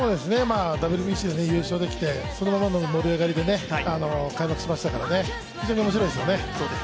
ＷＢＣ優勝できて、そのままの盛り上がりで開幕しましたから非常に面白いですよね。